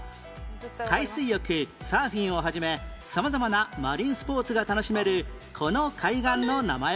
海水浴サーフィンを始め様々なマリンスポーツが楽しめるこの海岸の名前は？